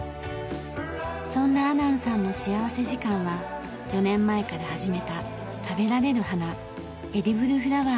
そんな阿南さんの幸福時間は４年前から始めた食べられる花エディブルフラワーの栽培。